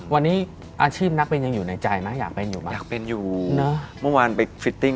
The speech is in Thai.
วันนี้อาชีพนักบินยังอยู่ในใจนะอยากเป็นอยู่มั้ง